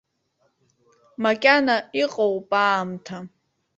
Макьана иҟоуп аамҭа.